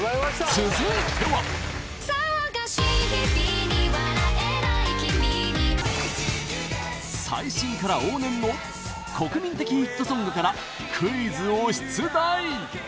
続いては最新から往年の国民的ヒットソングからクイズを出題